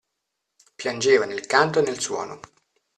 Piangeva nel canto e nel suono.